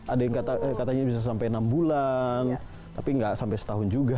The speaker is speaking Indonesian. ada yang katanya bisa sampai enam bulan tapi nggak sampai setahun juga